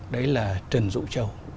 đấy là trần dụ châu